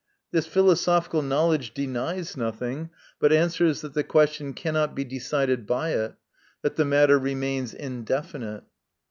This philosophical knowledge denies nothing, but answers that the question cannot be decided by it that the matter remains indefinite.